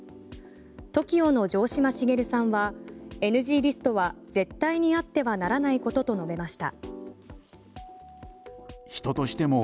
ＴＯＫＩＯの城島茂さんはＮＧリストは絶対にあってはならないことと述べました。